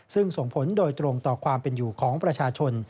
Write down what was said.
ซึ่งส่งผลโดยตรงต่อความเป็นอยู่ของประชาชน